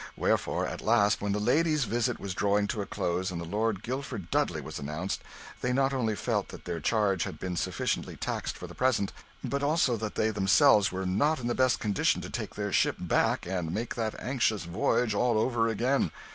Wherefore, at last, when the ladies' visit was drawing to a close and the Lord Guilford Dudley was announced, they not only felt that their charge had been sufficiently taxed for the present, but also that they themselves were not in the best condition to take their ship back and make their anxious voyage all over again.